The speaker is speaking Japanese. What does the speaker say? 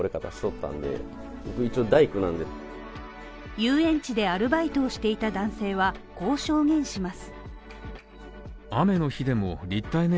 遊園地でアルバイトをしていた男性はこう証言します。